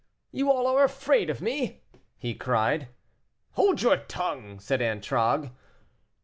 you are all afraid of me?" he cried. "Hold your tongue," said Antragues.